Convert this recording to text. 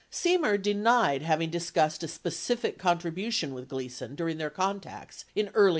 Semer denied having discussed a specific contribution with Gleason during their contacts in early 1969.